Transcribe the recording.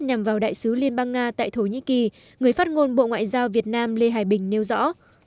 nhằm vào đại sứ liên bang nga tại thổ nhĩ kỳ người phát ngôn bộ ngoại giao việt nam lê hải bình nêu rõ